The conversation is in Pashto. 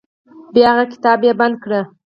بیا هغه کتاب بند کړ.